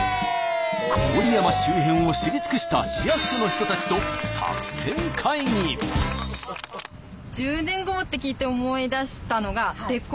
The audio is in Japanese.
郡山周辺を知り尽くした市役所の人たちと「１０年後も」って聞いて思い出したのがえっ何？